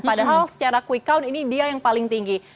padahal secara quick count ini dia yang paling tinggi